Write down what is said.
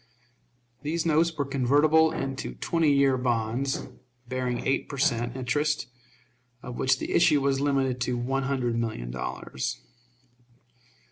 These notes were convertible into twenty year bonds, bearing eight per cent. interest, of which the issue was limited to one hundred million dollars.